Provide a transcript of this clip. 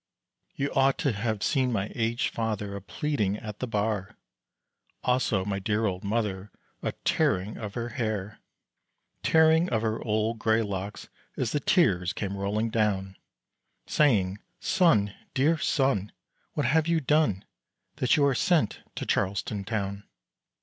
You ought to have seen my aged father a pleading at the bar, Also my dear old mother a tearing of her hair, Tearing of her old gray locks as the tears came rolling down, Saying, "Son, dear son, what have you done, that you are sent to Charleston town?"